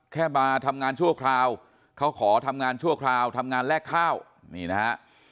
มาทำงานชั่วคราวเขาขอทำงานชั่วคราวทำงานแลกข้าวนี่นะฮะ